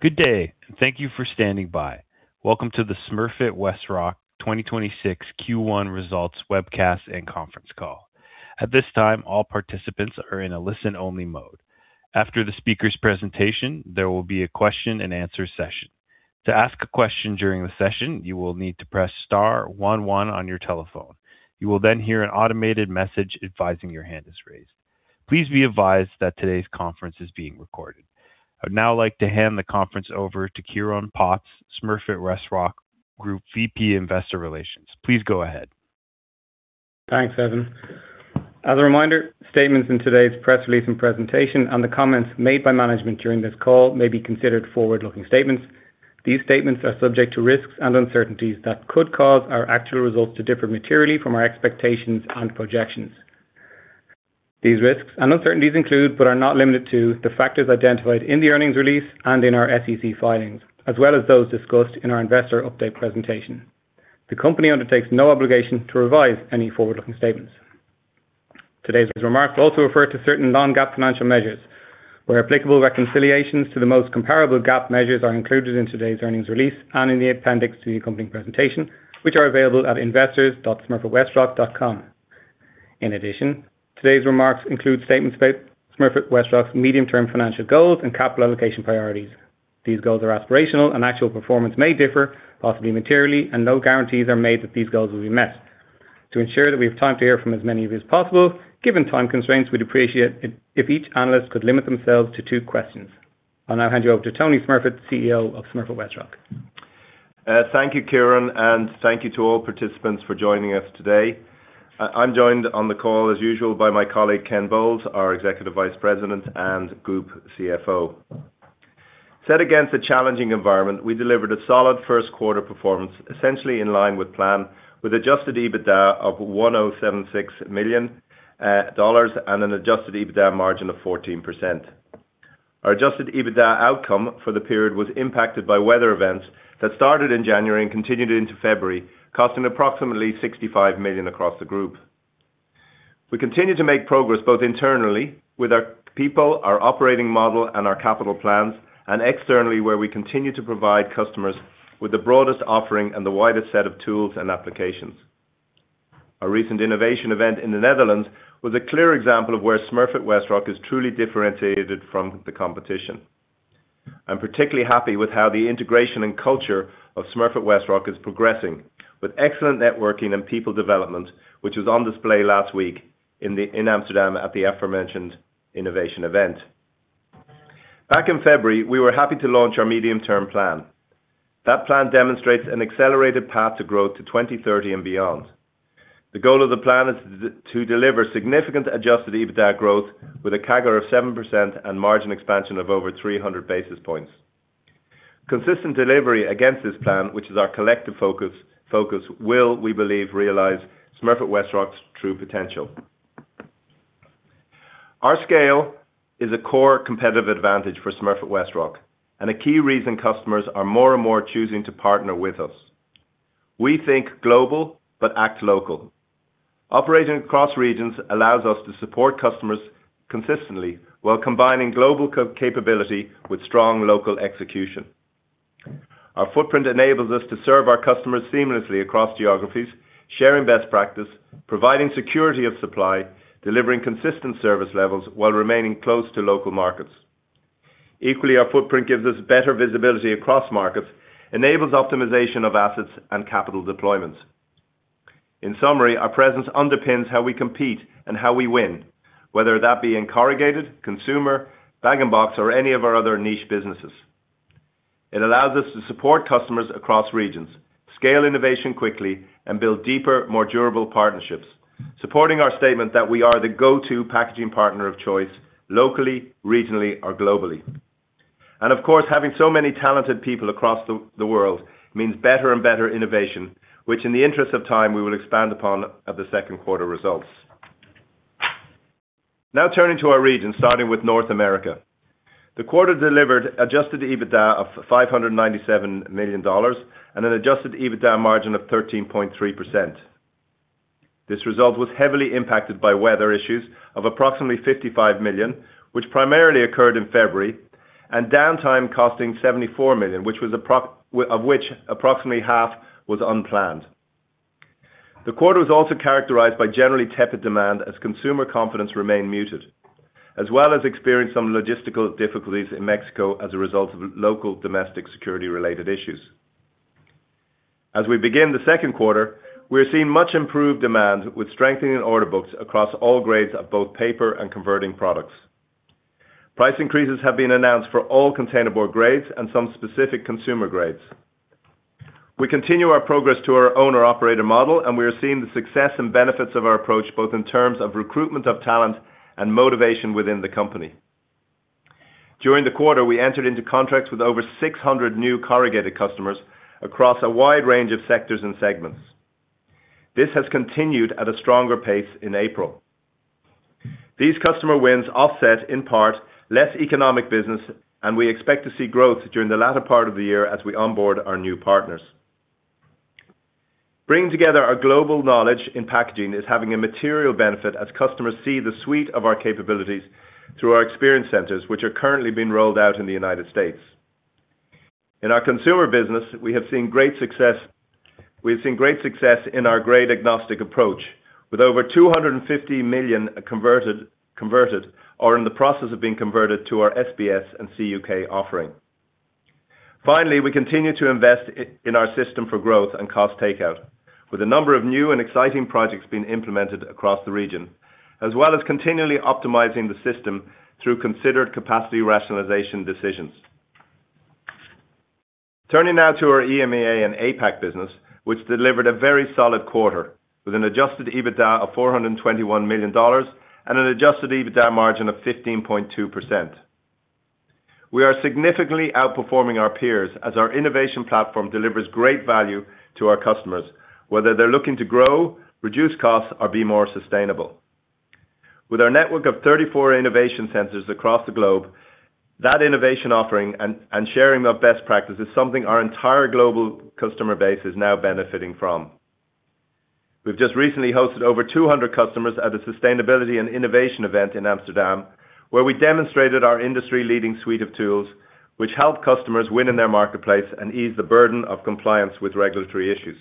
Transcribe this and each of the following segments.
Good day and thank you for standing by. Welcome to the Smurfit Westrock 2026 Q1 results webcast and conference call. At this time, all participants are in a listen-only mode. After the speaker's presentation, there will be a question-and-answer session. To ask a question during the session, you will need to press star one one on your telephone. You will then hear an automated message advising your hand is raised. Please be advised that today's conference is being recorded. I would now like to hand the conference over to Ciarán Potts, Smurfit Westrock Group VP Investor Relations. Please go ahead. Thanks, Evan. As a reminder, statements in today's press release and presentation and the comments made by management during this call may be considered forward-looking statements. These statements are subject to risks and uncertainties that could cause our actual results to differ materially from our expectations and projections. These risks and uncertainties include but are not limited to the factors identified in the earnings release and in our SEC filings, as well as those discussed in our investor update presentation. The company undertakes no obligation to revise any forward-looking statements. Today's remarks will also refer to certain non-GAAP financial measures. Where applicable, reconciliations to the most comparable GAAP measures are included in today's earnings release and in the appendix to the accompanying presentation, which are available at investors.smurfitwestrock.com. In addition, today's remarks include statements about Smurfit Westrock's medium-term financial goals and capital allocation priorities. These goals are aspirational and actual performance may differ, possibly materially, and no guarantees are made that these goals will be met. To ensure that we have time to hear from as many of you as possible, given time constraints, we'd appreciate it if each analyst could limit themselves to two questions. I'll now hand you over to Tony Smurfit, CEO of Smurfit Westrock. Thank you, Ciarán, and thank you to all participants for joining us today. I'm joined on the call as usual by my colleague Ken Bowles, our Executive Vice President and Group CFO. Set against a challenging environment, we delivered a solid first quarter performance essentially in line with plan with adjusted EBITDA of $1,076 million and an adjusted EBITDA margin of 14%. Our adjusted EBITDA outcome for the period was impacted by weather events that started in January and continued into February, costing approximately $65 million across the group. We continue to make progress both internally with our people, our operating model, and our capital plans, and externally, where we continue to provide customers with the broadest offering and the widest set of tools and applications. Our recent innovation event in the Netherlands was a clear example of where Smurfit Westrock is truly differentiated from the competition. I'm particularly happy with how the integration and culture of Smurfit Westrock is progressing with excellent networking and people development, which was on display last week in Amsterdam at the aforementioned innovation event. Back in February, we were happy to launch our medium-term plan. That plan demonstrates an accelerated path to growth to 2030 and beyond. The goal of the plan is to deliver significant adjusted EBITDA growth with a CAGR of 7% and margin expansion of over 300 basis points. Consistent delivery against this plan, which is our collective focus will, we believe, realize Smurfit Westrock's true potential. Our scale is a core competitive advantage for Smurfit Westrock, and a key reason customer are more and more choosing to partner with us. We think global but act local. Operating across regions allows us to support customers consistently while combining global capability with strong local execution. Our footprint enables us to serve our customers seamlessly across geographies, sharing best practice, providing security of supply, delivering consistent service levels while remaining close to local markets. Equally, our footprint gives us better visibility across markets, enables optimization of assets and capital deployments. In summary, our presence underpins how we compete and how we win, whether that be in corrugated, consumer, bag and box or any of our other niche businesses. It allows us to support customers across regions, scale innovation quickly and build deeper, more durable partnerships, supporting our statement that we are the go-to packaging partner of choice locally, regionally or globally. Of course, having so many talented people across the world means better and better innovation, which in the interest of time, we will expand upon at the second quarter results. Turning to our region, starting with North America. The quarter delivered adjusted EBITDA of $597 million and an adjusted EBITDA margin of 13.3%. This result was heavily impacted by weather issues of approximately $55 million, which primarily occurred in February, and downtime costing $74 million, of which approximately half was unplanned. The quarter was also characterized by generally tepid demand as consumer confidence remained muted, as well as experienced some logistical difficulties in Mexico as a result of local domestic security-related issues. We begin the second quarter, we are seeing much improved demand with strengthening order books across all grades of both paper and converting products. Price increases have been announced for all containerboard grades and some specific consumer grades. We continue our progress to our owner-operator model, and we are seeing the success and benefits of our approach both in terms of recruitment of talent and motivation within the company. During the quarter, we entered into contracts with over 600 new corrugated customers across a wide range of sectors and segments. This has continued at a stronger pace in April. These customer wins offset, in part, less economic business, and we expect to see growth during the latter part of the year as we onboard our new partners. Bringing together our global knowledge in packaging is having a material benefit as customers see the suite of our capabilities through our experience centers, which are currently being rolled out in the U.S. In our consumer business, we have seen great success. We've seen great success in our grade agnostic approach with over 250 million converted or in the process of being converted to our SBS and CUK offering. Finally, we continue to invest in our system for growth and cost takeout, with a number of new and exciting projects being implemented across the region, as well as continually optimizing the system through considered capacity rationalization decisions. Turning now to our EMEA and APAC business, which delivered a very solid quarter with an adjusted EBITDA of $421 million and an adjusted EBITDA margin of 15.2%. We are significantly outperforming our peers as our innovation platform delivers great value to our customers, whether they're looking to grow, reduce costs, or be more sustainable. With our network of 34 innovation centers across the globe, that innovation offering and sharing of best practices is something our entire global customer base is now benefiting from. We've just recently hosted over 200 customers at a sustainability and innovation event in Amsterdam, where we demonstrated our industry-leading suite of tools, which help customers win in their marketplace and ease the burden of compliance with regulatory issues.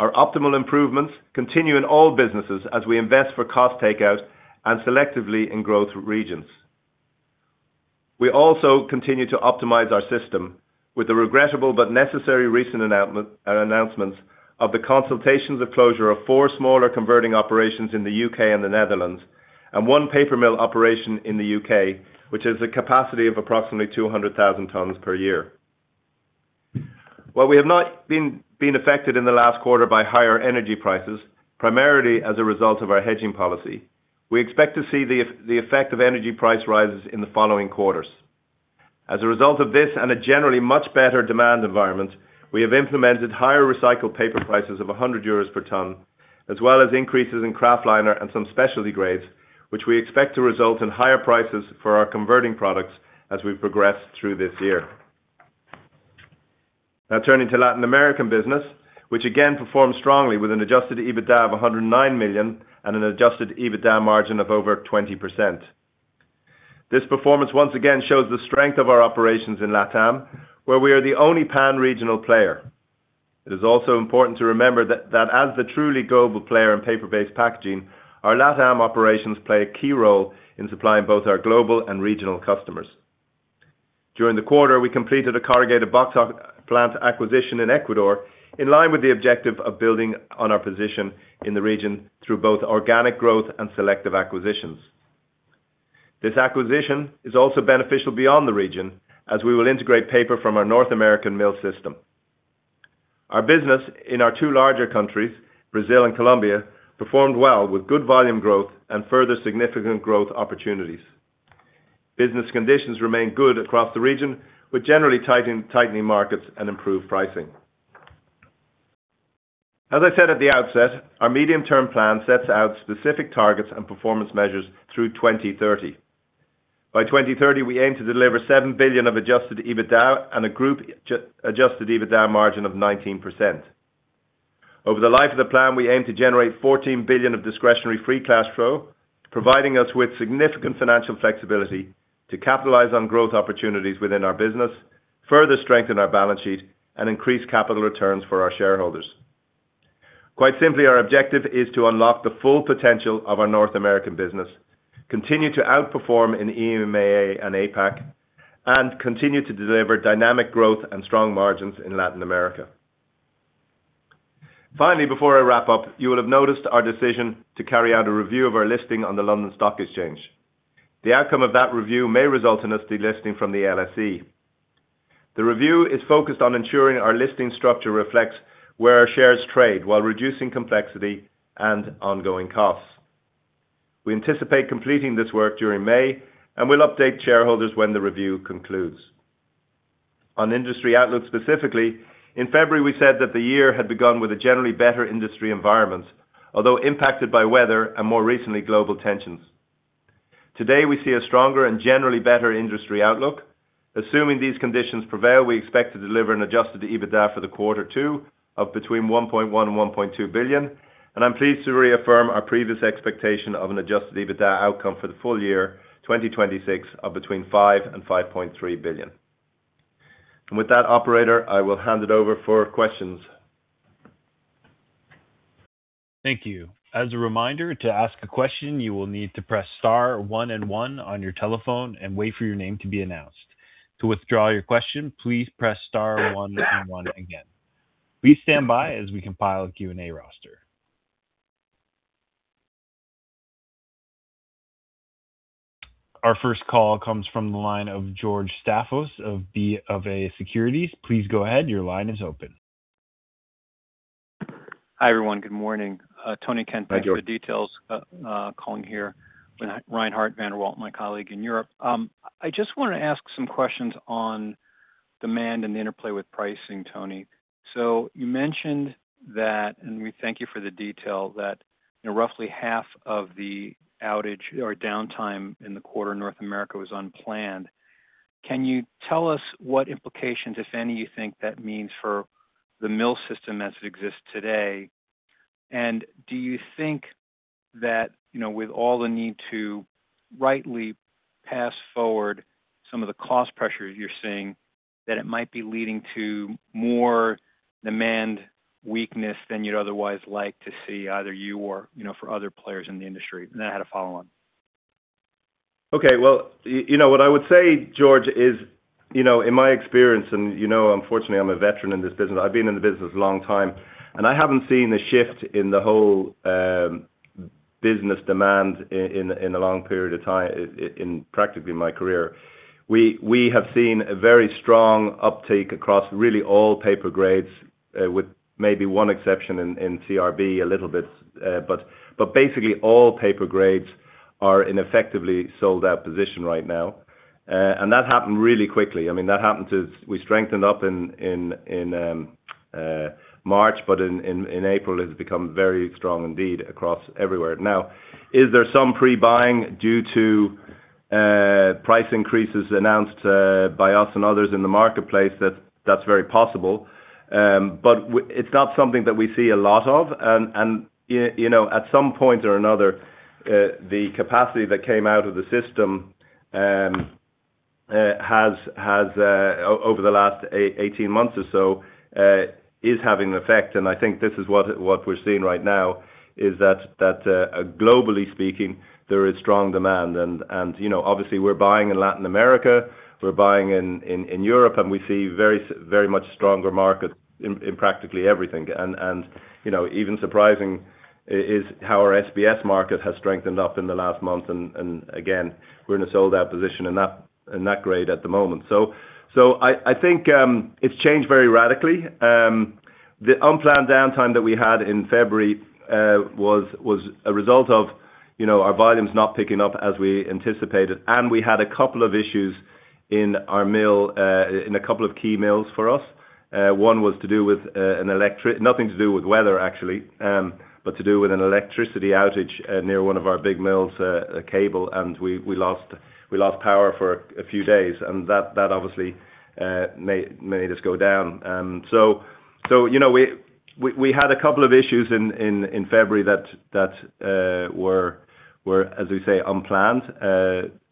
Our optimal improvements continue in all businesses as we invest for cost takeout and selectively in growth regions. We also continue to optimize our system with the regrettable but necessary recent announcements of the consultations of closure of four smaller converting operations in the U.K. and the Netherlands, and one paper mill operation in the U.K., which has a capacity of approximately 200,000 tons per year. While we have not been affected in the last quarter by higher energy prices, primarily as a result of our hedging policy, we expect to see the effect of energy price rises in the following quarters. As a result of this and a generally much better demand environment, we have implemented higher recycled paper prices of 100 euros per ton, as well as increases in Kraftliner and some specialty grades, which we expect to result in higher prices for our converting products as we progress through this year. Turning to Latin American business, which again performed strongly with an adjusted EBITDA of $109 million and an adjusted EBITDA margin of over 20%. This performance once again shows the strength of our operations in LATAM, where we are the only pan-regional player. It is also important to remember that as the truly global player in paper-based packaging, our LATAM operations play a key role in supplying both our global and regional customers. During the quarter, we completed a corrugated box plant acquisition in Ecuador, in line with the objective of building on our position in the region through both organic growth and selective acquisitions. This acquisition is also beneficial beyond the region as we will integrate paper from our North American mill system. Our business in our two larger countries, Brazil and Colombia, performed well with good volume growth and further significant growth opportunities. Business conditions remain good across the region, with generally tightening markets and improved pricing. As I said at the outset, our medium-term plan sets out specific targets and performance measures through 2030. By 2030, we aim to deliver $7 billion of adjusted EBITDA and a group adjusted EBITDA margin of 19%. Over the life of the plan, we aim to generate $14 billion of discretionary free cash flow, providing us with significant financial flexibility to capitalize on growth opportunities within our business, further strengthen our balance sheet, and increase capital returns for our shareholders. Quite simply, our objective is to unlock the full potential of our North American business, continue to outperform in EMEA and APAC, and continue to deliver dynamic growth and strong margins in Latin America. Finally, before I wrap up, you will have noticed our decision to carry out a review of our listing on the London Stock Exchange. The outcome of that review may result in us delisting from the LSE. The review is focused on ensuring our listing structure reflects where our shares trade while reducing complexity and ongoing costs. We anticipate completing this work during May, and we'll update shareholders when the review concludes. On industry outlook specifically, in February, we said that the year had begun with a generally better industry environment, although impacted by weather and more recently, global tensions. Today, we see a stronger and generally better industry outlook. Assuming these conditions prevail, we expect to deliver an adjusted EBITDA for the quarter two of between $1.1 billion and $1.2 billion. I'm pleased to reaffirm our previous expectation of an adjusted EBITDA outcome for the full year 2026 of between $5 billion and $5.3 billion. With that, operator, I will hand it over for questions. Thank you. As a reminder, to ask a question, you will need to press star one and one on your telephone and wait for your name to be announced. To withdraw your question, please press star one and one again. Please stand by as we compile the Q&A roster. Our first call comes from the line of George Staphos of BofA Securities. Please go ahead. Your line is open. Hi, everyone. Good morning. Tony. ...from the details, calling here. Reinhardt van der Walt, my colleague in Europe. I just wanna ask some questions on demand and the interplay with pricing, Tony. You mentioned that, and we thank you for the detail that roughly half of the outage or downtime in the quarter in North America was unplanned. Can you tell us what implications, if any, you think that means for the mill system as it exists today? Do you think that, you know, with all the need to rightly pass forward some of the cost pressures you're seeing, that it might be leading to more demand weakness than you'd otherwise like to see either you or, you know, for other players in the industry? Then I had a follow on. Okay. Well, you know, what I would say, George, is, you know, in my experience and, you know, unfortunately, I'm a veteran in this business. I've been in the business a long time, and I haven't seen a shift in the whole business demand in a long period of time, in practically my career. We have seen a very strong uptake across really all paper grades, with maybe one exception in CRB a little bit. Basically all paper grades are in effectively sold out position right now. That happened really quickly. I mean, we strengthened up in March, but in April, it's become very strong indeed across everywhere. Now, is there some pre-buying due to price increases announced by us and others in the marketplace? That's very possible. It's not something that we see a lot of. You know, at some point or another, the capacity that came out of the system has over the last 18 months or so is having an effect. I think this is what we're seeing right now, is that globally speaking, there is strong demand. You know, obviously we're buying in Latin America, we're buying in Europe, and we see very much stronger markets in practically everything. You know, even surprising is how our SBS market has strengthened up in the last month. Again, we're in a sold-out position in that grade at the moment. I think it's changed very radically. The unplanned downtime that we had in February was a result of, you know, our volumes not picking up as we anticipated, and we had a couple of issues in our mill in a couple of key mills for us. One was to do with nothing to do with weather, actually, but to do with an electricity outage near one of our big mills, a cable, and we lost power for a few days, and that obviously made us go down. You know, we had a couple of issues in February that were, as we say, unplanned,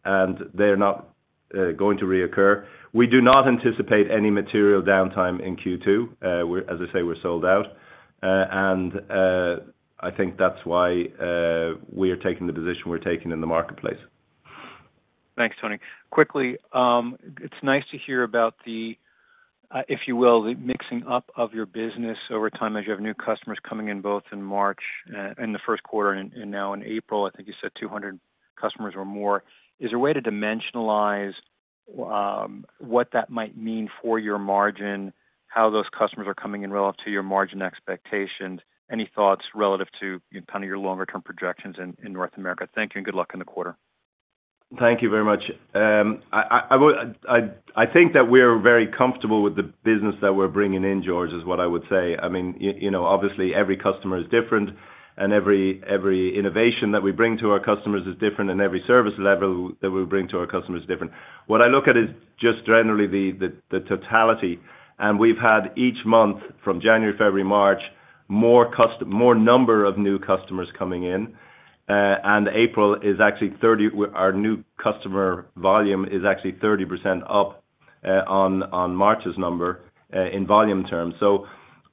and they are not going to reoccur. We do not anticipate any material downtime in Q2. As I say, we're sold out. I think that's why we are taking the position we're taking in the marketplace. Thanks, Tony. Quickly, it's nice to hear about the, if you will, the mixing up of your business over time as you have new customers coming in, both in March, in the first quarter and now in April. I think you said 200 customers or more. Is there a way to dimensionalize what that might mean for your margin, how those customers are coming in relative to your margin expectations? Any thoughts relative to, you know, kind of your longer-term projections in North America? Thank you, good luck in the quarter. Thank you very much. I think that we're very comfortable with the business that we're bringing in, George, is what I would say. I mean, you know, obviously every customer is different and every innovation that we bring to our customers is different, and every service level that we bring to our customers is different. What I look at is just generally the totality. We've had each month from January, February, March, more number of new customers coming in. April is actually our new customer volume is actually 30% up on March's number in volume terms.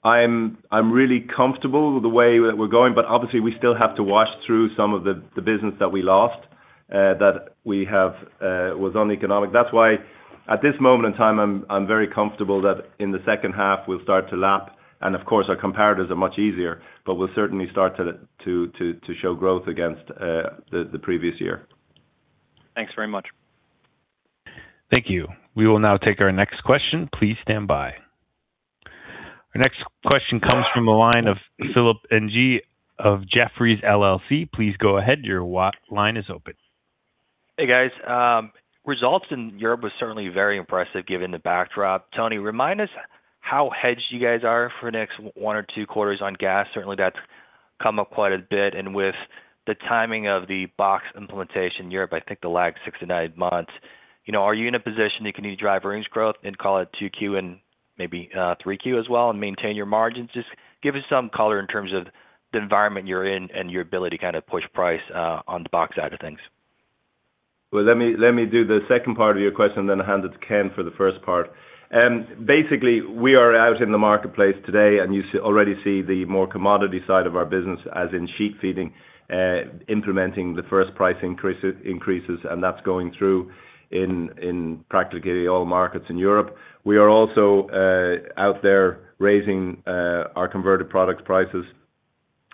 I'm really comfortable with the way that we're going. Obviously we still have to wash through some of the business that we lost that we have was uneconomic. That's why at this moment in time, I'm very comfortable that in the second half we'll start to lap, and of course our comparatives are much easier, but we'll certainly start to show growth against the previous year. Thanks very much. Thank you. We will now take our next question. Please stand by. Our next question comes from the line of Philip Ng of Jefferies LLC. Please go ahead. Your line is open. Hey, guys. Results in Europe was certainly very impressive given the backdrop. Tony, remind us how hedged you guys are for the next one or two quarters on gas. Certainly, that's come up quite a bit. With the timing of the box implementation in Europe, I think the lag six to nine months, you know, are you in a position you can either drive earnings growth and call it 2Q and maybe 3Q as well and maintain your margins? Just give us some color in terms of the environment you're in and your ability to kind of push price on the box side of things. Well, let me do the second part of your question, then hand it to Ken for the first part. Basically, we are out in the marketplace today, and you already see the more commodity side of our business, as in sheet feeding, implementing the first price increases, and that's going through in practically all markets in Europe. We are also out there raising our converted products prices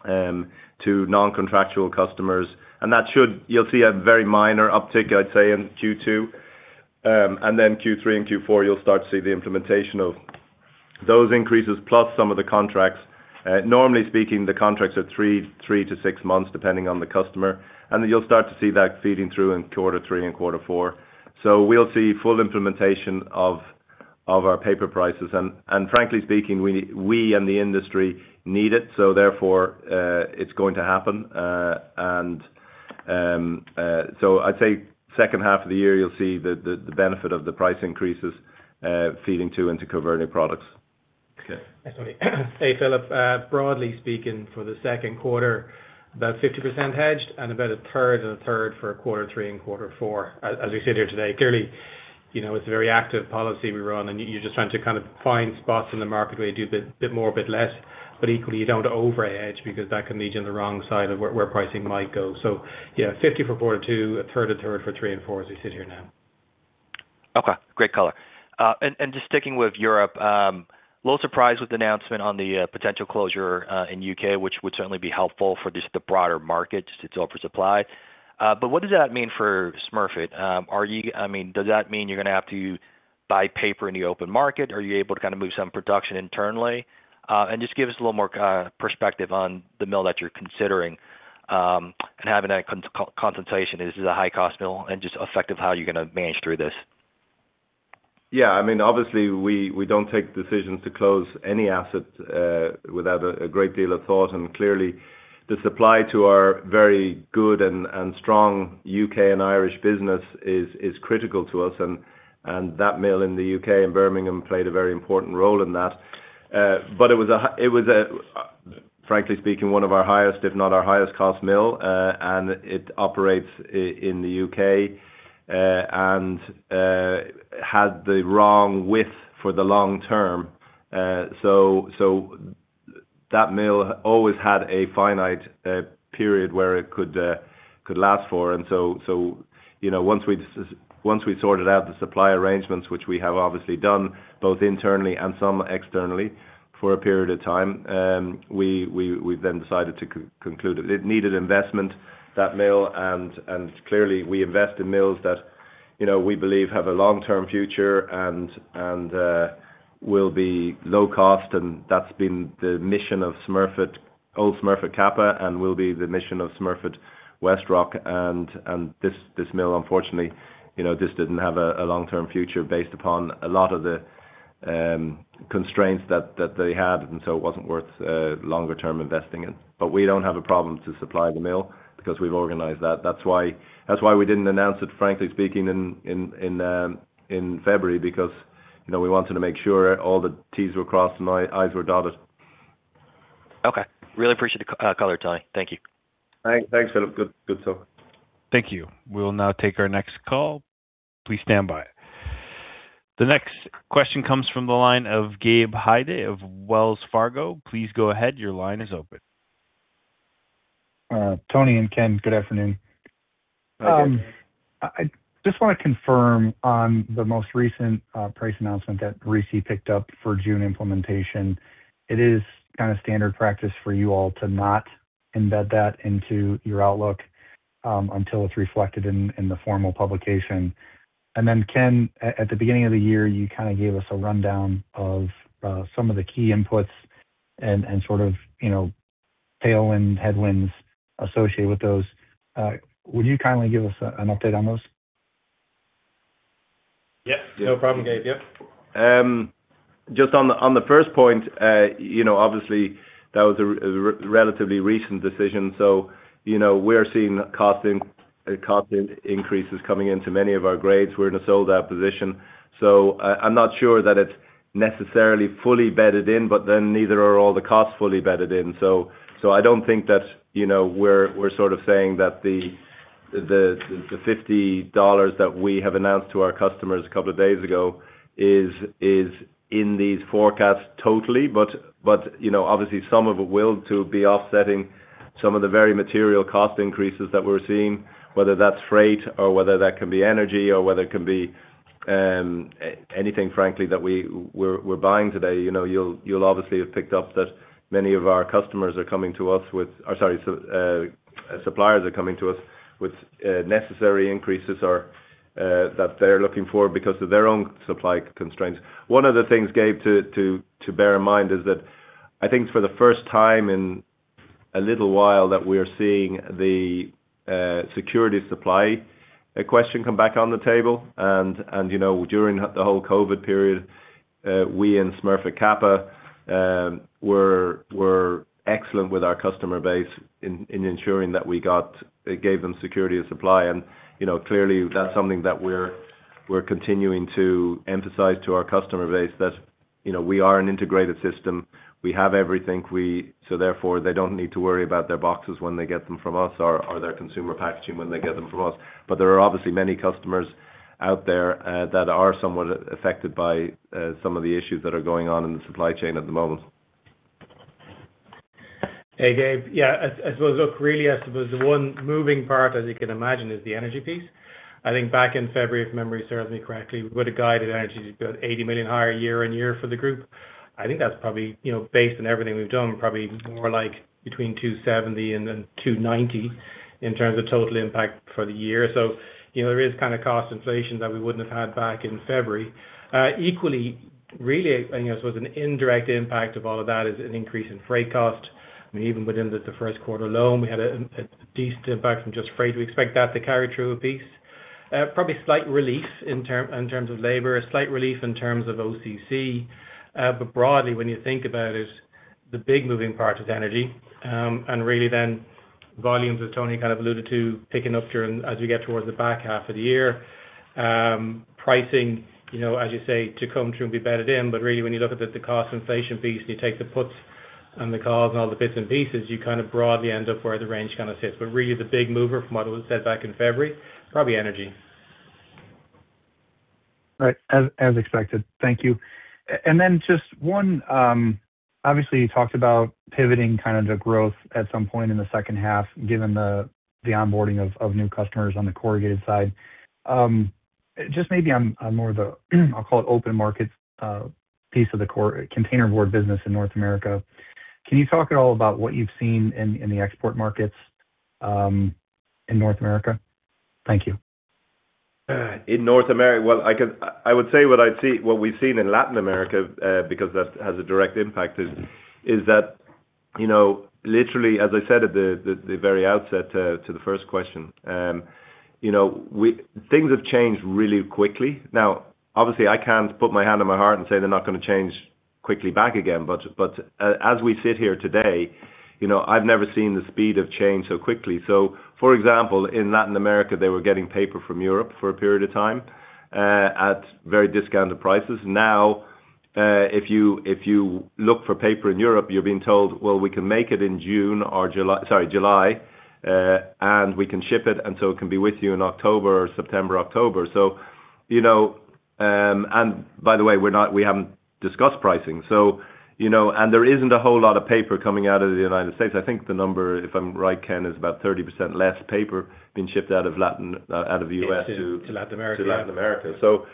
to non-contractual customers. You'll see a very minor uptick, I'd say, in Q2. Then Q3 and Q4, you'll start to see the implementation of those increases, plus some of the contracts. Normally speaking, the contracts are three to six months, depending on the customer, and you'll start to see that feeding through in quarter three and quarter four. We'll see full implementation of our paper prices. Frankly speaking, we and the industry need it, so therefore, it's going to happen. I'd say second half of the year you'll see the benefit of the price increases feeding too into converting products. Okay. Sorry. Hey, Philip. Broadly speaking, for the second quarter, about 50% hedged and about a third and a third for quarter three and quarter four. As we sit here today, clearly, you know, it's a very active policy we run, and you're just trying to kind of find spots in the market where you do a bit more, a bit less, but equally you don't overhedge because that can lead you on the wrong side of where pricing might go. Yeah, 50 for quarter two, a third, a third for three and four as we sit here now. Okay. Great color. Just sticking with Europe, little surprised with the announcement on the potential closure in the U.K., which would certainly be helpful for just the broader market to its oversupply. What does that mean for Smurfit? I mean, does that mean you're gonna have to buy paper in the open market? Are you able to kind of move some production internally? Just give us a little more perspective on the mill that you're considering, and having that consultation. Is it a high-cost mill? Just effective how you're gonna manage through this. Yeah. I mean, obviously we don't take decisions to close any asset without a great deal of thought. Clearly the supply to our very good and strong U.K. and Irish business is critical to us and that mill in the U.K. in Birmingham played a very important role in that. But it was, frankly speaking, one of our highest, if not our highest cost mill. And it operates in the U.K. and had the wrong width for the long term. So, that mill always had a finite period where it could last for. You know, once we sorted out the supply arrangements, which we have obviously done both internally and some externally for a period of time, we then decided to conclude it. It needed investment, that mill, and clearly we invest in mills that, you know, we believe have a long-term future and will be low cost. That's been the mission of Smurfit, old Smurfit Kappa, and will be the mission of Smurfit Westrock. This mill unfortunately, you know, just didn't have a long-term future based upon a lot of the constraints that they had, and so it wasn't worth longer term investing in. We don't have a problem to supply the mill because we've organized that. That's why we didn't announce it, frankly speaking, in February because, you know, we wanted to make sure all the T's were crossed and I's were dotted. Okay. Really appreciate the color, Tony. Thank you. All right. Thanks, Philip. Good, good talk. Thank you. We'll now take our next call. The next question comes from the line of Gabe Hajde of Wells Fargo. Please go ahead. Tony and Ken, good afternoon. Hi, Gabe. I just wanna confirm on the most recent price announcement that RISI picked up for June implementation. It is kind of standard practice for you all to not embed that into your outlook until it's reflected in the formal publication. Then, Ken, at the beginning of the year, you kind of gave us a rundown of some of the key inputs and sort of, you know, tailwind, headwinds associated with those. Would you kindly give us an update on those? Yeah. No problem, Gabe. Yep. Just on the, on the first point, you know, obviously that was a relatively recent decision. You know, we're seeing cost increases coming into many of our grades. We're in a sold-out position. I'm not sure that it's necessarily fully bedded in, but then neither are all the costs fully bedded in. I don't think that, you know, we're sort of saying that the $50 that we have announced to our customers a couple of days ago is in these forecasts totally. You know, obviously some of it will to be offsetting some of the very material cost increases that we're seeing, whether that's freight or whether that can be energy or whether it can be anything, frankly, that we're buying today. You know, you'll obviously have picked up that many of our customers are coming to us with, or sorry, suppliers are coming to us with necessary increases or that they're looking for because of their own supply constraints. One of the things, Gabe, to bear in mind is that I think for the first time in a little while that we are seeing the security supply question come back on the table. You know, during the whole COVID period, we and Smurfit Kappa were excellent with our customer base in ensuring that it gave them security of supply. You know, clearly that's something that we're continuing to emphasize to our customer base that, you know, we are an integrated system. Therefore, they don't need to worry about their boxes when they get them from us or their consumer packaging when they get them from us. There are obviously many customers out there that are somewhat affected by some of the issues that are going on in the supply chain at the moment. Hey, Gabe. I suppose look, really, I suppose the one moving part as you can imagine, is the energy piece. I think back in February, if memory serves me correctly, we would have guided energy to about $80 million higher year-over-year for the group. I think that's probably, you know, based on everything we've done, probably more like between $270 million and then $290 million in terms of total impact for the year. You know, there is kind of cost inflation that we wouldn't have had back in February. Equally, really, I think, I suppose an indirect impact of all of that is an increase in freight cost. I mean, even within the first quarter alone, we had a decent impact from just freight. We expect that to carry through a piece. Probably slight relief in terms of labor, a slight relief in terms of OCC. Broadly, when you think about it, the big moving part is energy. Really then volumes, as Tony kind of alluded to, picking up as we get towards the back half of the year. Pricing, you know, as you say, to come through and be bedded in, really, when you look at the cost inflation piece, and you take the puts and the calls and all the bits and pieces you kind of broadly end up where the range kind of sits. Really the big mover from what it was said back in February, probably energy. Right. As expected. Thank you. Then just one. Obviously, you talked about pivoting kind of the growth at some point in the second half, given the onboarding of new customers on the corrugated side. Just maybe on more of the, I'll call it open market, piece of the containerboard business in North America. Can you talk at all about what you've seen in the export markets in North America? Thank you. Well, I would say what we've seen in Latin America, because that has a direct impact is that, you know, literally, as I said at the very outset, to the first question, you know, things have changed really quickly. Now, obviously, I can't put my hand on my heart and say they're not gonna change quickly back again. But, as we sit here today, you know, I've never seen the speed of change so quickly. For example, in Latin America, they were getting paper from Europe for a period of time, at very discounted prices. If you look for paper in Europe, you're being told, "Well, we can make it in June or July, and we can ship it, and so it can be with you in October or September, October." You know, and by the way, we haven't discussed pricing. You know, and there isn't a whole lot of paper coming out of the U.S. I think the number, if I'm right, Ken, is about 30% less paper being shipped out of the U.S. to- To Latin America. Yeah. to Latin America.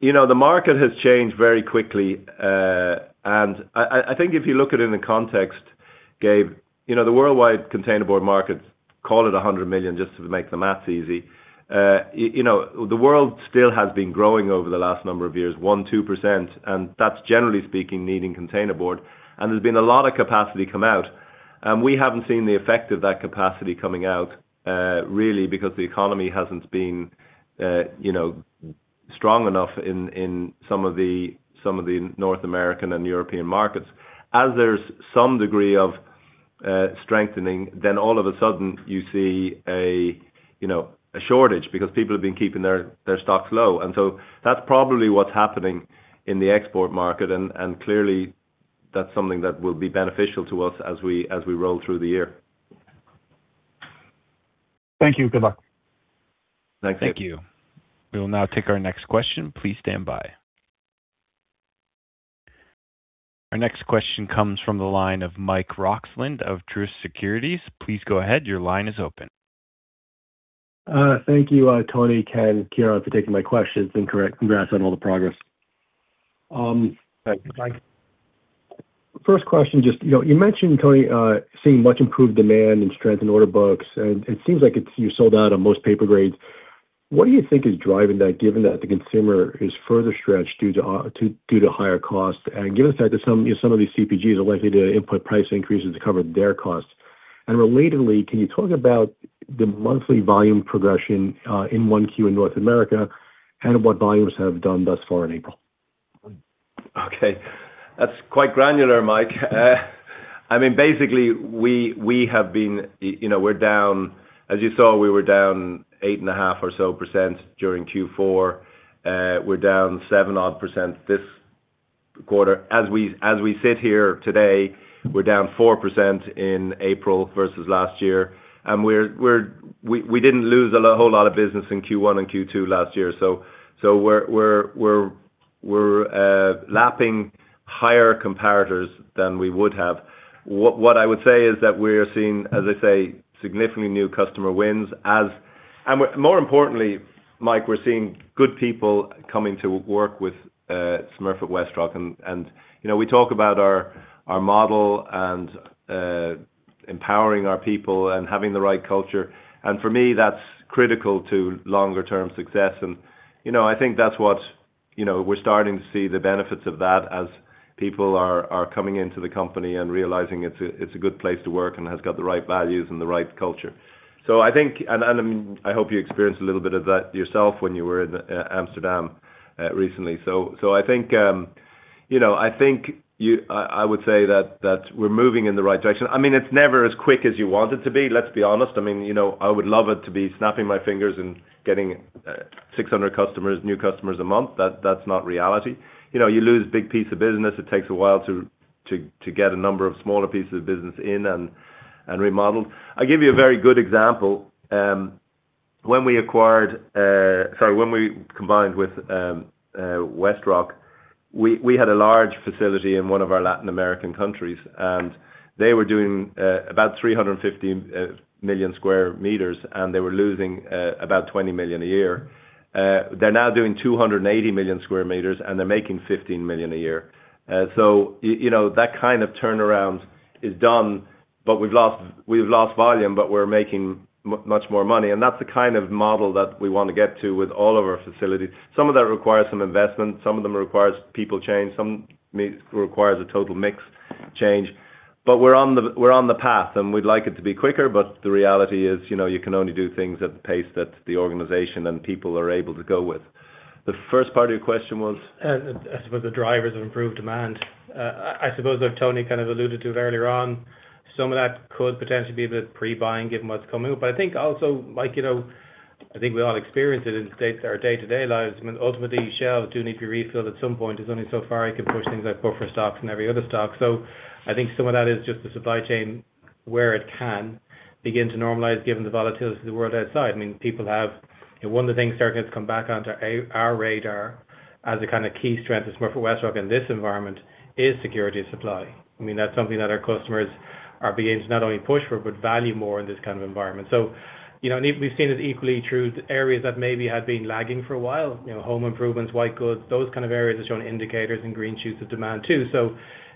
You know, the market has changed very quickly. I think if you look at it in the context, Gabe, you know, the worldwide containerboard markets, call it 100 million, just to make the math easy. You know, the world still has been growing over the last number of years, 1%, 2%, and that's generally speaking, needing containerboard. There's been a lot of capacity come out. We haven't seen the effect of that capacity coming out, really because the economy hasn't been, you know, strong enough in some of the, some of the North American and European markets. As there's some degree of strengthening, all of a sudden, you see a, you know, a shortage because people have been keeping their stocks low. That's probably what's happening in the export market, and clearly, that's something that will be beneficial to us as we roll through the year. Thank you. Good luck. Thank you. Thank you. We will now take our next question. Please stand by. Our next question comes from the line of Mike Roxland of Truist Securities. Please go ahead. Your line is open. Thank you, Tony, Ken, Ciarán Potts, for taking my questions, and congrats on all the progress. Thank you, Mike. First question, just, you know, you mentioned, Tony, seeing much improved demand and strength in order books, and it seems like you sold out on most paper grades. What do you think is driving that, given that the consumer is further stretched due to higher costs? Given that there's some, you know, some of these CPGs are likely to input price increases to cover their costs. Relatedly, can you talk about the monthly volume progression in 1Q in North America, and what volumes have done thus far in April? Okay. That's quite granular, Mike. I mean, basically, we have been, you know, as you saw, we were down 8.5% or so during Q4. We're down 7% odd this quarter. As we sit here today, we're down 4% in April versus last year. We didn't lose a whole lot of business in Q1 and Q2 last year. We're lapping higher comparators than we would have. What I would say is that we're seeing, as I say, significantly new customer wins. More importantly, Mike, we're seeing good people coming to work with Smurfit Westrock. You know, we talk about our model and empowering our people and having the right culture. For me, that's critical to longer-term success. You know, I think that's what we're starting to see the benefits of that as people are coming into the company and realizing it's a good place to work and has got the right values and the right culture. I mean, I hope you experienced a little bit of that yourself when you were in Amsterdam recently. I think, you know, I think I would say that we're moving in the right direction. I mean, it's never as quick as you want it to be, let's be honest. I mean, you know, I would love it to be snapping my fingers and getting 600 customers, new customers a month. That's not reality. You know, you lose a big piece of business, it takes a while to get a number of smaller pieces of business in and remodeled. I'll give you a very good example. When we acquired, sorry, when we combined with Westrock, we had a large facility in one of our Latin American countries, and they were doing about 350 million sq m, and they were losing about $20 million a year. They're now doing 280 million sq m, and they're making $15 million a year. You know, that kind of turnaround is done, but we've lost volume, but we're making much more money. That's the kind of model that we wanna get to with all of our facilities. Some of that requires some investment, some of them requires people change, some requires a total mix change. We're on the path, we'd like it to be quicker, the reality is, you know, you can only do things at the pace that the organization and people are able to go with. The first part of your question was? I suppose the drivers of improved demand. I suppose that Tony kind of alluded to it earlier on. Some of that could potentially be the pre-buying, given what's coming up. I think also, Mike, you know, I think we all experience it in our day-to-day lives. Ultimately shelves do need to be refilled at some point. There's only so far you can push things like buffer stocks and every other stock. I think some of that is just the supply chain where it can begin to normalize given the volatility of the world outside. One of the things starting to come back onto our radar as a kind of key strength for Smurfit Westrock in this environment is security of supply. I mean, that's something that our customers are beginning to not only push for, but value more in this kind of environment. You know, we've seen it equally true to areas that maybe had been lagging for a while. You know, home improvements, white goods, those kind of areas are showing indicators and green shoots of demand too.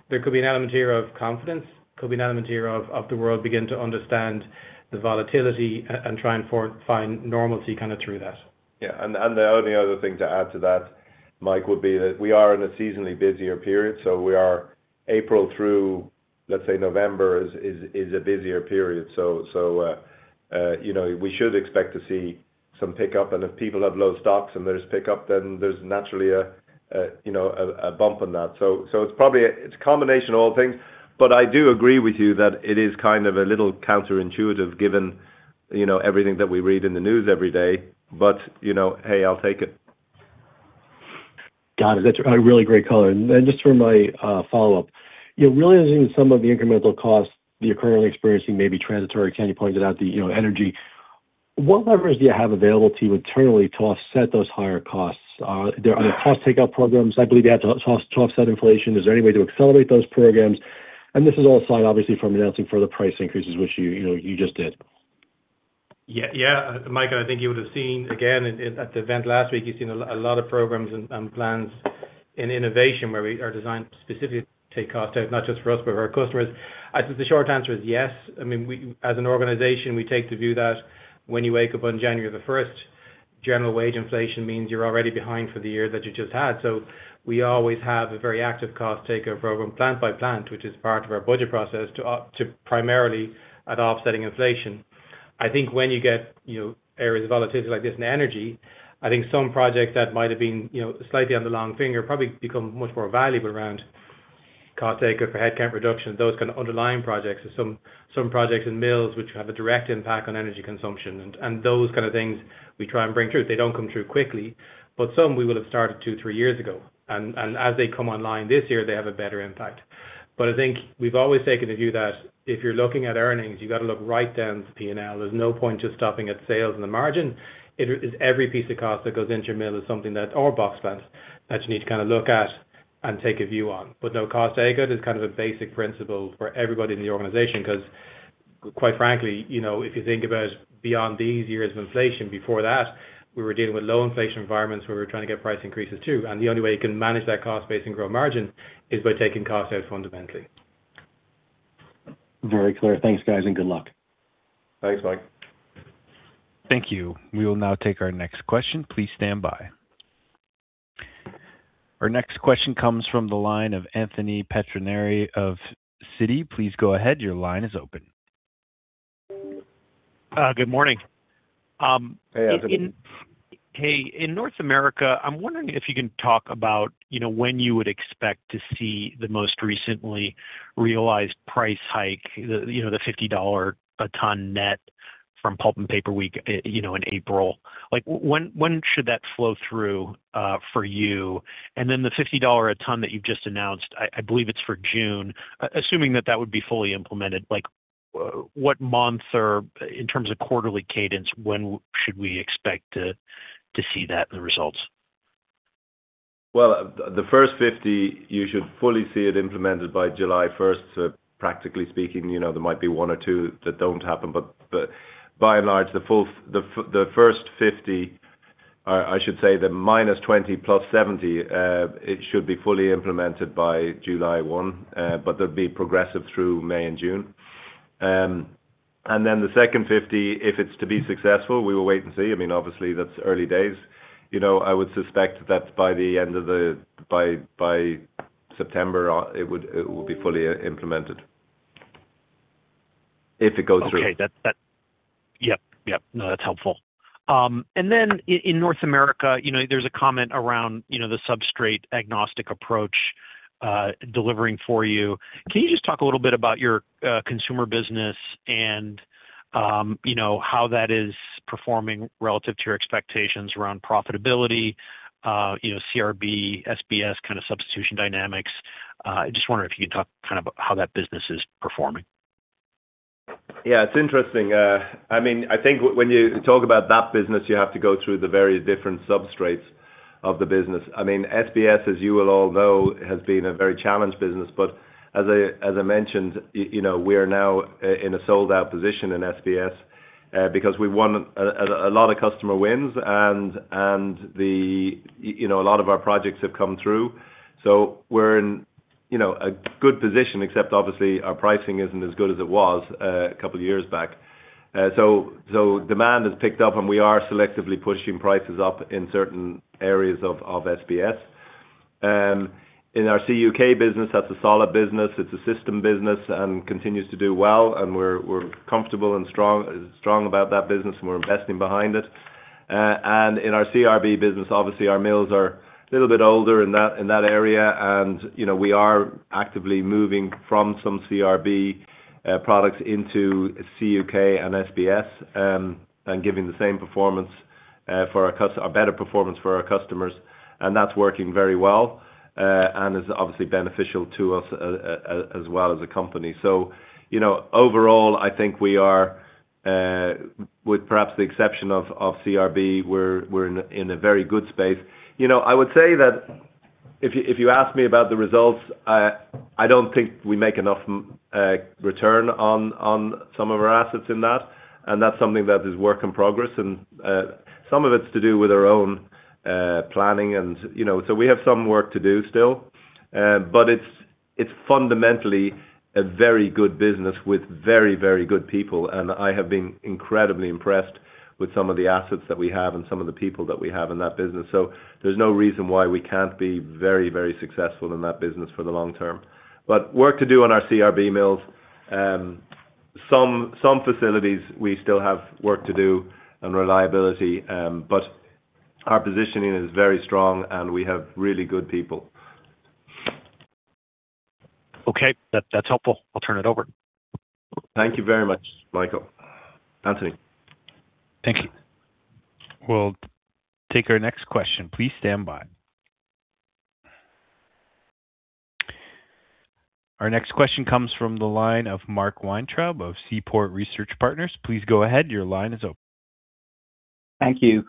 There could be an element here of confidence, could be an element here of the world begin to understand the volatility and try and find normalcy kind of through that. Yeah. The only other thing to add to that, Michael Roxland, would be that we are in a seasonally busier period, so we are April through, let’s say November is a busier period. You know, we should expect to see some pickup. If people have low stocks and there’s pickup, then there’s naturally a, you know, a bump on that. It’s probably it’s a combination of all things. I do agree with you that it is kind of a little counterintuitive given, you know, everything that we read in the news every day. You know, hey, I’ll take it. Got it. That's a really great color. Just for my follow-up. You know, realizing some of the incremental costs that you're currently experiencing may be transitory, Ken pointed out the, you know, energy. What levers do you have available to you internally to offset those higher costs? Are there cost takeout programs, I believe, to offset inflation? Is there any way to accelerate those programs? This is all aside, obviously, from announcing further price increases, which you know, you just did. Mike, I think you would have seen again at the event last week. You've seen a lot of programs and plans in innovation where we are designed specifically to take cost out, not just for us, but for our customers. I think the short answer is yes. I mean, we as an organization, we take the view that when you wake up on January the first, general wage inflation means you're already behind for the year that you just had. We always have a very active cost takeout program plant by plant, which is part of our budget process to primarily at offsetting inflation. I think when you get, you know, areas of volatility like this in energy, I think some projects that might have been, you know, slightly on the long finger probably become much more valuable around cost takeout for headcount reduction. Those kinds of underlying projects are some projects in mills which have a direct impact on energy consumption. Those kinds of things we try and bring through. They don't come through quickly, but some we will have started two, three years ago. As they come online this year, they have a better impact. I think we've always taken the view that if you're looking at earnings, you've got to look right down the P&L. There's no point just stopping at sales and the margin. It is every piece of cost that goes into your mill is something that or box plant that you need to kind of look at and take a view on. No, cost takeout is kind of a basic principle for everybody in the organization, 'cause quite frankly, you know, if you think about beyond these years of inflation, before that, we were dealing with low inflation environments where we were trying to get price increases, too. The only way you can manage that cost base and grow margin is by taking cost out fundamentally. Very clear. Thanks, guys, and good luck. Thanks, Mike. Thank you. We will now take our next question. Please stand by. Our next question comes from the line of Anthony Pettinari of Citi. Please go ahead. Your line is open. Good morning. Hey, Anthony. Hey. In North America, I'm wondering if you can talk about, you know, when you would expect to see the most recently realized price hike, the, you know, the $50 a ton net from Pulp and Paper Week, you know, in April. Like, when should that flow through for you? The $50 a ton that you've just announced, I believe it's for June. Assuming that that would be fully implemented, like, what month or in terms of quarterly cadence, when should we expect to see that in the results? The first 50, you should fully see it implemented by July 1. Practically speaking, you know, there might be one or two that don't happen. By and large, the first 50, or I should say the -20 +70, it should be fully implemented by July 1. There'd be progressive through May and June. The second 50, if it's to be successful, we will wait and see. I mean, obviously that's early days. You know, I would suspect that by the end of September, it will be fully implemented if it goes through. Okay. That, that. Yep. Yep. No, that's helpful. And then in North America, you know, there's a comment around, you know, the substrate agnostic approach, delivering for you. Can you just talk a little bit about your consumer business and, you know, how that is performing relative to your expectations around profitability, you know, CRB, SBS kind of substitution dynamics? I just wonder if you can talk kind of how that business is performing. It's interesting. I mean, I think when you talk about that business, you have to go through the very different substrates of the business. I mean, SBS, as you will all know, has been a very challenged business. As I mentioned, you know, we are now in a sold-out position in SBS, because we won a lot of customer wins and the, you know, a lot of our projects have come through. We're in, you know, a good position, except obviously our pricing isn't as good as it was two years back. Demand has picked up, and we are selectively pushing prices up in certain areas of SBS. In our CUK business, that's a solid business. It's a system business and continues to do well, we're comfortable and strong about that business. We're investing behind it. In our CRB business, obviously our mills are a little bit older in that area. You know, we are actively moving from some CRB products into CUK and SBS, giving the same performance, a better performance for our customers, that's working very well. Is obviously beneficial to us as well as a company. You know, overall, I think we are, with perhaps the exception of CRB, we're in a very good space. You know, I would say that if you, if you ask me about the results, I don't think we make enough return on some of our assets in that, and that's something that is work in progress. Some of it's to do with our own planning and, you know, we have some work to do still. But it's fundamentally a very good business with very good people. I have been incredibly impressed with some of the assets that we have and some of the people that we have in that business. There's no reason why we can't be very successful in that business for the long term. Work to do on our CRB mills. Some facilities we still have work to do and reliability. Our positioning is very strong, and we have really good people. Okay. That's helpful. I'll turn it over. Thank you very much, Michael. Anthony. Thank you. We'll take our next question. Please stand by. Our next question comes from the line of Mark Weintraub of Seaport Research Partners. Please go ahead. Your line is open. Thank you.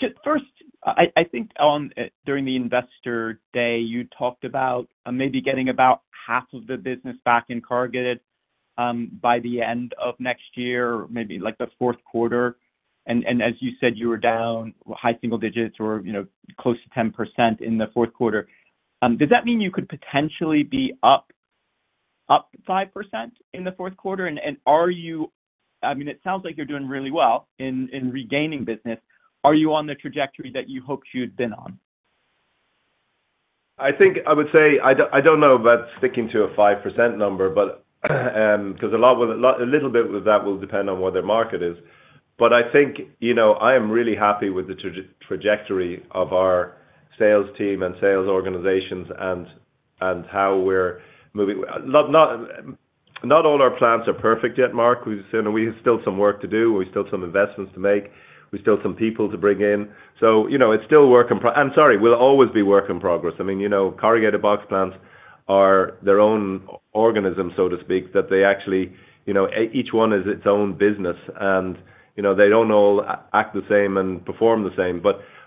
Just first, I think on during the investor day, you talked about maybe getting about half of the business back in corrugated by the end of next year, maybe like the fourth quarter. As you said, you were down high single digits or, you know, close to 10% in the fourth quarter. Does that mean you could potentially be up 5% in the fourth quarter? I mean, it sounds like you're doing really well in regaining business. Are you on the trajectory that you hoped you'd been on? I think I would say I don't, I don't know about sticking to a 5% number, but 'cause a little bit of that will depend on where the market is. I think, you know, I am really happy with the trajectory of our sales team and sales organizations and how we're moving. Not all our plants are perfect yet, Mark. We still have some work to do. We still have some investments to make. We still have some people to bring in. You know, we'll always be work in progress. I mean, you know, corrugated box plants are their own organism, so to speak, that they actually, you know, each one is its own business. You know, they don't all act the same and perform the same.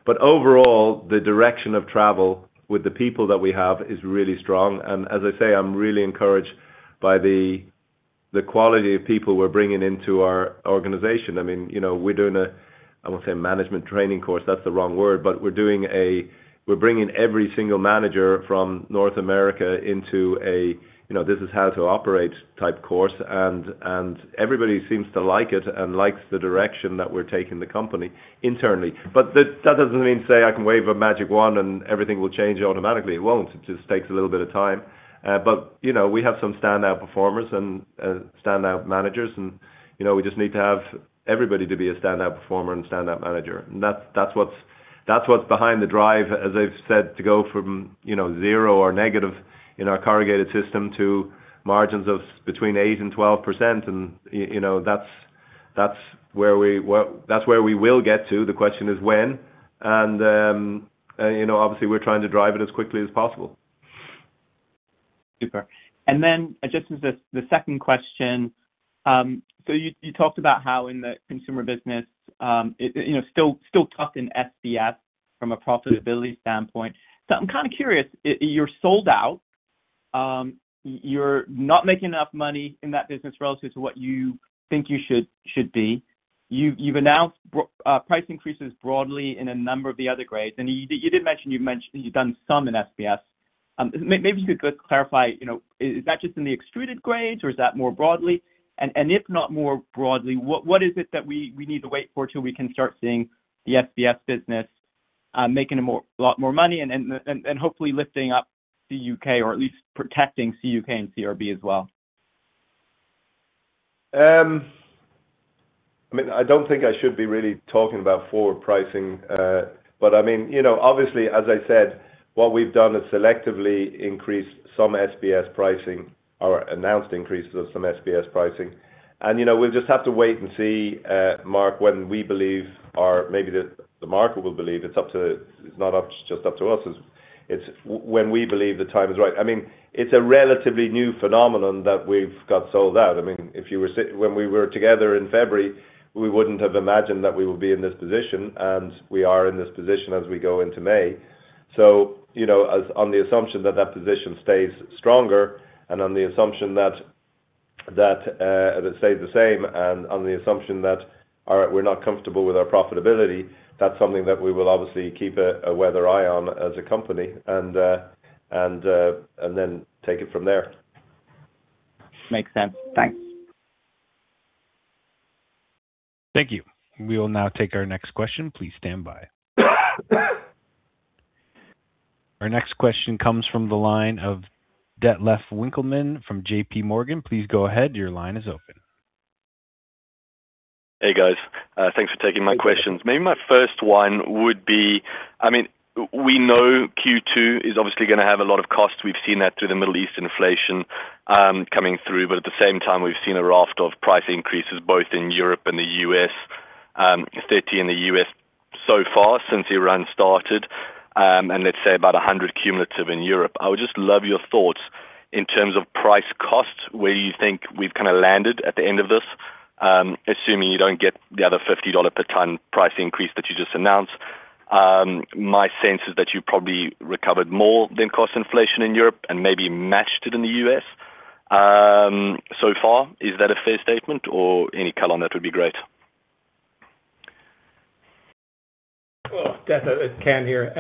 Overall, the direction of travel with the people that we have is really strong. As I say, I'm really encouraged by the quality of people we're bringing into our organization. I mean, you know, I won't say management training course, that's the wrong word. We're bringing every single manager from North America into a, you know, this is how to operate type course. Everybody seems to like it and likes the direction that we're taking the company internally. That doesn't mean to say I can wave a magic wand and everything will change automatically. It won't. It just takes a little bit of time. You know, we have some standout performers and standout managers and, you know, we just need to have everybody to be a standout performer and standout manager. That's what's behind the drive, as I've said, to go from, you know, zero or negative in our corrugated system to margins of between 8% and 12%. You know, that's where we will get to. The question is when. You know, obviously, we're trying to drive it as quickly as possible. Super. Just as the second question, you talked about how in the consumer business, it, you know, still tough in SBS from a profitability standpoint. I'm kind of curious; you're sold out, you're not making enough money in that business relative to what you think you should be. You've announced price increases broadly in a number of the other grades. You did mention you've done some in SBS. Maybe you could clarify, you know, is that just in the extruded grades or is that more broadly? If not more broadly, what is it that we need to wait for till we can start seeing the SBS business making a lot more money and hopefully lifting up CUK or at least protecting CUK and CRB as well? I mean, I don't think I should be really talking about forward pricing. I mean, you know, obviously, as I said, what we've done is selectively increased some SBS pricing or announced increases of some SBS pricing. You know, we'll just have to wait and see, Mark, when we believe or maybe the market will believe it's not just up to us. It's when we believe the time is right. I mean, it's a relatively new phenomenon that we've got sold out. I mean, when we were together in February, we wouldn't have imagined that we would be in this position, and we are in this position as we go into May. You know, as on the assumption that that position stays stronger and on the assumption that it'll stay the same and on the assumption that we're not comfortable with our profitability, that's something that we will obviously keep a weather eye on as a company and then take it from there. Makes sense. Thanks. Thank you. We will now take our next question. Please stand by. Our next question comes from the line of Detlef Winckelmann from J.P. Morgan. Please go ahead. Your line is open. Hey, guys. Thanks for taking my questions. Maybe my first one would be, I mean, we know Q2 is obviously going to have a lot of costs. We've seen that through the Middle East inflation coming through. At the same time, we've seen a raft of price increases both in Europe and the U.S., 30 in the U.S. so far since IREN started, and let's say about 100 cumulative in Europe. I would just love your thoughts in terms of price costs, where you think we've kind of landed at the end of this, assuming you don't get the other $50 per ton price increase that you just announced. My sense is that you probably recovered more than cost inflation in Europe and maybe matched it in the U.S. so far. Is that a fair statement? Any color on that would be great. Well, Detlef, it's Ken here.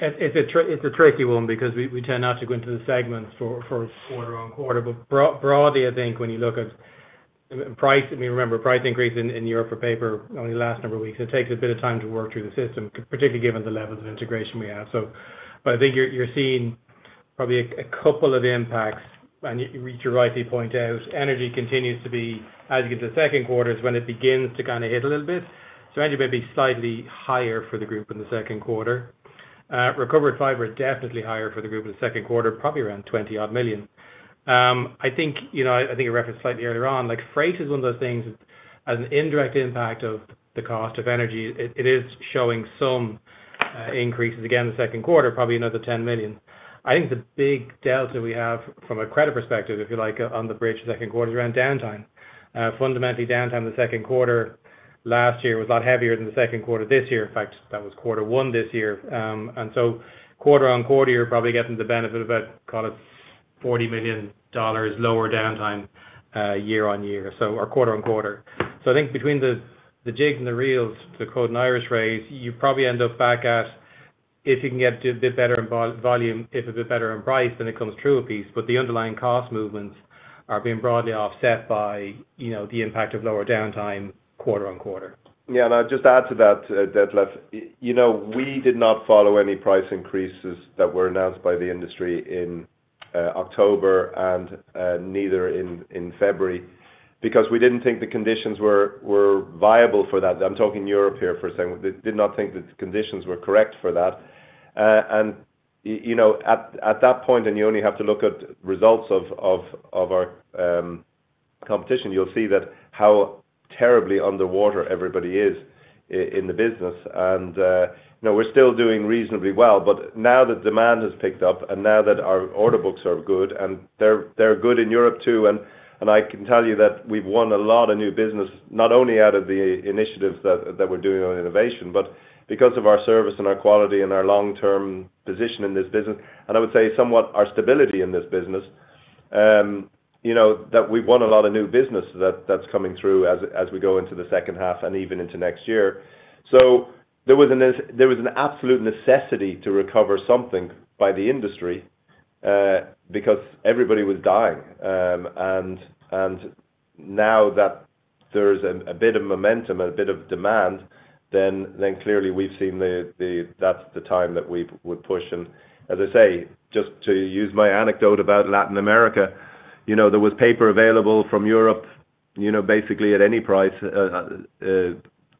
It's a tricky one because we tend not to go into the segments for quarter-on-quarter. Broadly, I think when you look at price, I mean remember, price increase in Europe for paper only last number of weeks. It takes a bit of time to work through the system, particularly given the levels of integration we have. I think you're seeing probably a couple of impacts. You're right to point out, energy continues to be, as you get to the second quarter, is when it begins to kinda hit a little bit. Energy may be slightly higher for the group in the second quarter. Recovered fiber is definitely higher for the group in the second quarter, probably around $20 odd million. I think, you know, I think I referenced slightly earlier on, like freight is one of those things that has an indirect impact of the cost of energy. It, it is showing some increases again in the second quarter, probably another $10 million. I think the big delta we have from a credit perspective, if you like, on the bridge second quarter is around downtime. Fundamentally, downtime in the second quarter last year was a lot heavier than the second quarter this year. In fact, that was quarter one this year. Quarter-on-quarter, you're probably getting the benefit of about call it $40 million lower downtime, year-on-year, or quarter-on-quarter. I think between the jigs and the reels, to quote an Irish phrase, you probably end up back at if you can get a bit better in volume, if a bit better in price, then it comes true apiece. The underlying cost movements are being broadly offset by, you know, the impact of lower downtime quarter-on-quarter. I'll just add to that, Detlef. You know, we did not follow any price increases that were announced by the industry in October and neither in February because we didn't think the conditions were viable for that. I'm talking Europe here for a second. Did not think the conditions were correct for that. You know, at that point you only have to look at results of our competition. You'll see that how terribly underwater everybody is in the business. You know, we're still doing reasonably well. Now that demand has picked up and now that our order books are good and they're good in Europe too. I can tell you that we've won a lot of new business, not only out of the initiatives that we're doing on innovation, but because of our service and our quality and our long-term position in this business. I would say somewhat our stability in this business, you know, that we've won a lot of new business that's coming through as we go into the second half and even into next year. There was an absolute necessity to recover something by the industry, because everybody was dying. Now that there's a bit of momentum, a bit of demand, clearly, we've seen that's the time that we would push. As I say, just to use my anecdote about Latin America, you know, there was paper available from Europe, you know, basically at any price,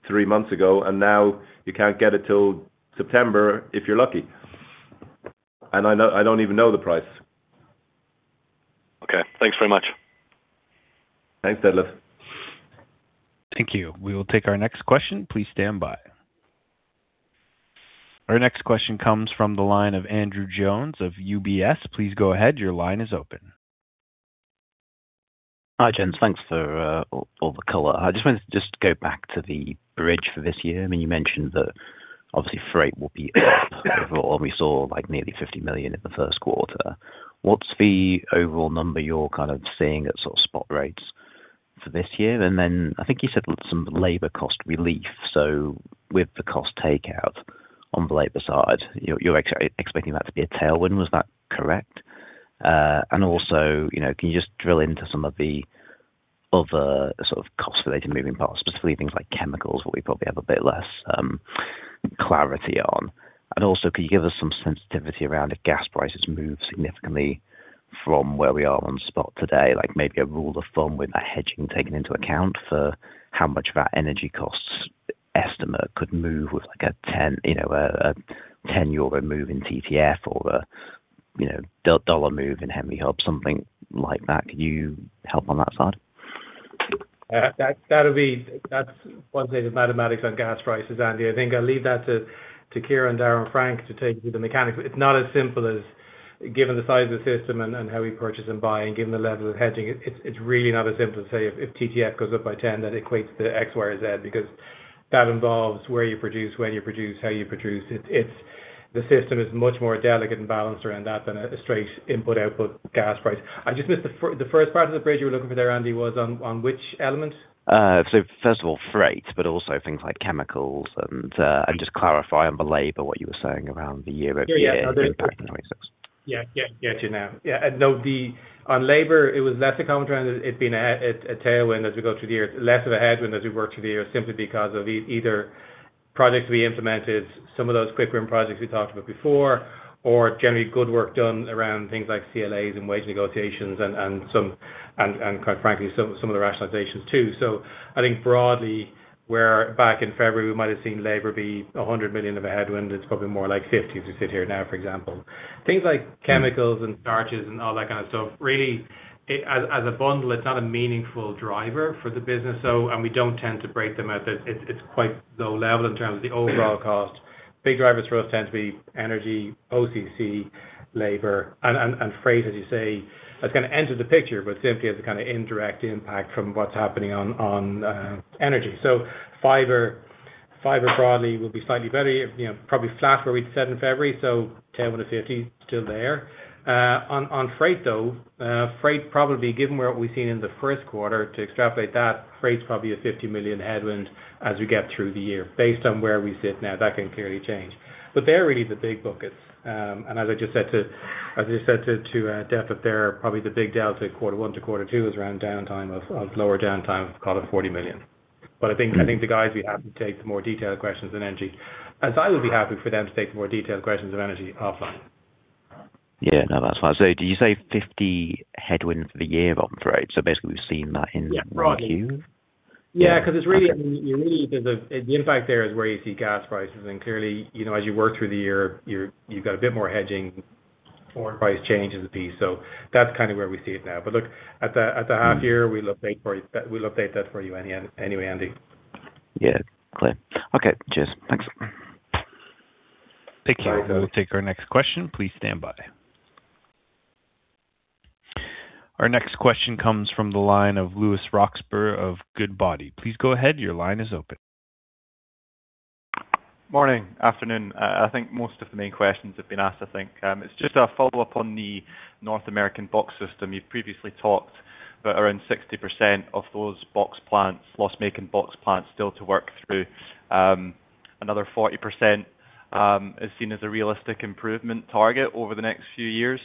three months ago, now you can't get it till September if you're lucky. I don't even know the price. Okay. Thanks very much. Thanks, Detlef. Thank you. We will take our next question. Please stand by. Our next question comes from the line of Andrew Jones of UBS. Please go ahead. Your line is open. Hi, gents. Thanks for all the color. I just wanted to just go back to the bridge for this year. I mean, you mentioned that obviously freight will be up overall. We saw like nearly $50 million in the first quarter. What's the overall number your kind of seeing at sort of spot rates for this year? I think you said some labor cost relief. With the cost takeout on the labor side, you're expecting that to be a tailwind. Was that correct? You know, can you just drill into some of the other sort of cost-related moving parts, specifically things like chemicals where we probably have a bit less clarity on. Can you give us some sensitivity around if gas prices move significantly from where we are on spot today? Like maybe a rule of thumb with a hedging taken into account for how much of our energy costs estimate could move with like a 10, you know, a 10 euro move in TTF or a, you know, a $1 move in Henry Hub, something like that. Could you help on that side? That's one thing with mathematics on gas prices, Andy. I think I'll leave that to Ciarán, Darren, and Frank to take you through the mechanics. It's not as simple as given the size of the system and how we purchase and buy and given the level of hedging, it's really not as simple to say if TTF goes up by 10 that equates to X, Y, or Z because that involves where you produce, when you produce, how you produce. It's the system is much more delicate and balanced around that than a straight input/output gas price. I just missed the first part of the bridge you were looking for there, Andy, was on which element? First of all, freight, but also things like chemicals and just clarify on the labor what you were saying around the year-over-year impact in 26? Get you now. On labor, it was less a countertrend, it's been a tailwind as we go through the year. Less of a headwind as we work through the year simply because of either projects we implemented, some of those quick win projects we talked about before, or generally good work done around things like CLAs and wage negotiations and quite frankly, some of the rationalizations too. I think broadly, where back in February we might have seen labor be 100 million of a headwind, it's probably more like 50 million as we sit here now, for example. Things like chemicals and starches and all that kind of stuff, really as a bundle, it's not a meaningful driver for the business. We don't tend to break them out. It's quite low level in terms of the overall cost. Big drivers for us tend to be energy, OCC, labor and freight, as you say. That's gonna enter the picture, but simply as a kind of indirect impact from what's happening on energy. Fiber broadly will be slightly better, you know, probably flat where we'd said in February, so 10.50 still there. On freight though, freight probably, given what we've seen in the first quarter to extrapolate that, freight's probably a $50 million headwind as we get through the year based on where we sit now. That can clearly change. They're really the big buckets. As I just said to Detlef there, probably the big delta at quarter one to quarter two is around downtime of lower downtime, call it $40 million. I think the guys will be happy to take the more detailed questions on energy. As I would be happy for them to take more detailed questions on energy. I'm fine. Yeah. No, that's fine. Did you say $50 headwind for the year on freight? Basically, we've seen that in Q? Yeah, broadly. Yeah. Okay. Yeah, 'cause it's really un-unique is the impact there is where you see gas prices. Clearly, you know, as you work through the year, you've got a bit more hedging for price change as a piece. That's kind of where we see it now. Look, at the half year, we'll update for you. We'll update that for you anyway, Andy. Yeah, clear. Okay, cheers. Thanks. Thank you. We will take our next question. Please stand by. Our next question comes from the line of Lewis Roxburgh of Goodbody. Please go ahead. Your line is open. Morning, afternoon. I think most of the main questions have been asked. It's just a follow-up on the North American box system. You've previously talked about around 60% of those box plants, loss-making box plants still to work through. Another 40% is seen as a realistic improvement target over the next few years.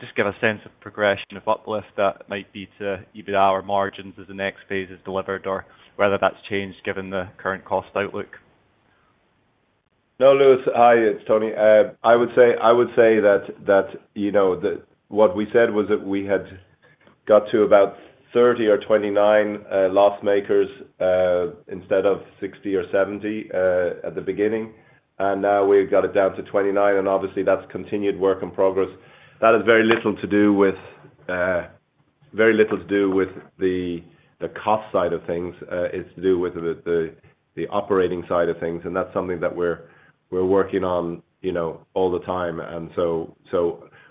Just get a sense of progression of uplift that might be to EBITDA or margins as the next phase is delivered, or whether that's changed given the current cost outlook. No, Lewis. Hi, it's Tony. I would say that, you know, what we said was that we had got to about 30 or 29 loss makers instead of 60 or 70 at the beginning, and now we've got it down to 29, and obviously that's continued work in progress. That has very little to do with very little to do with the cost side of things. It's to do with the, the operating side of things, and that's something that we're working on, you know, all the time. So,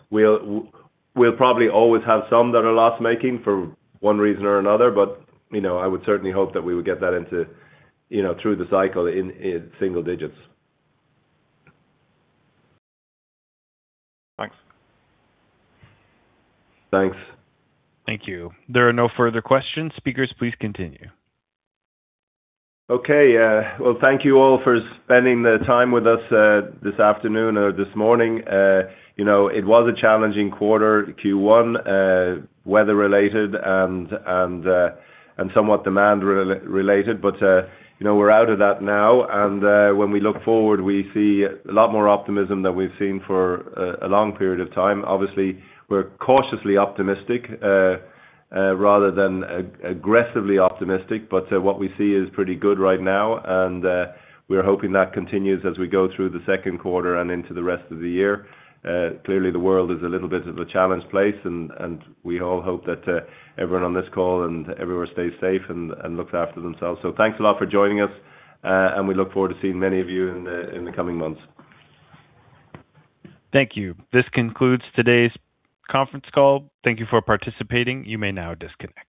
we'll probably always have some that are loss-making for one reason or another, but, you know, I would certainly hope that we would get that into, you know, through the cycle in single digits. Thanks. Thanks. Thank you. There are no further questions. Speakers, please continue. Okay. Well, thank you all for spending the time with us this afternoon or this morning. You know, it was a challenging quarter, Q1, weather related and, and somewhat demand related. You know, we're out of that now, and when we look forward, we see a lot more optimism than we've seen for a long period of time. Obviously, we're cautiously optimistic, rather than aggressively optimistic, but what we see is pretty good right now, and we're hoping that continues as we go through the second quarter and into the rest of the year. Clearly the world is a little bit of a challenged place, and we all hope that everyone on this call and everywhere stays safe and looks after themselves. Thanks a lot for joining us, and we look forward to seeing many of you in the coming months. Thank you. This concludes today's conference call. Thank you for participating. You may now disconnect.